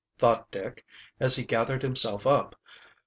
thought Dick, as he gathered himself up.